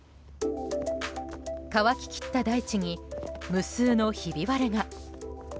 乾ききった大地に無数のひび割れが。